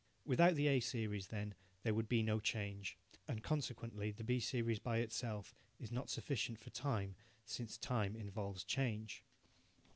Without the A series then, there would be no change, and consequently the B series by itself is not sufficient for time, since time involves change.